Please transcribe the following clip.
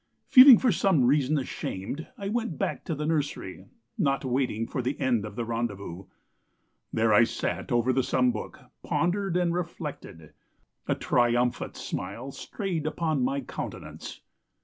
Feeling for some reason ashamed I went back to the nursery, not waiting for the end of the rendezvous. There I sat over the sum book, pondered and reflected. A triumphant smile strayed upon my countenance.